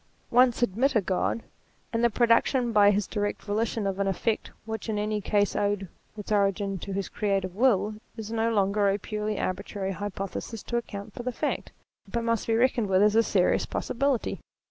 Once admit a God, and the production by his direct volition of an effect which in any case owed its origin to his creative will, is no longer a purely arbitrary hypothesis to account for the fact, but must be reckoned with as a serious possibility.